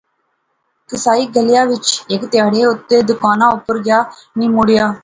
قصائی گلیا وچ، ہیک تہاڑے او دکانا اپر گیا، نی مڑیا